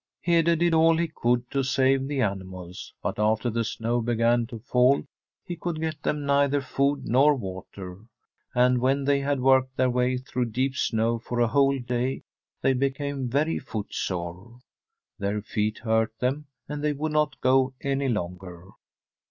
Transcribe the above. Hede did all he could to save the animals, but after the snow began to fall he could get Tbi STORY of M COUNTRY HOUSE them neither food nor water. And when they had worked their way through deep snow for a whole day they became very footsore. Their feet hurt them, and they would not go any longer.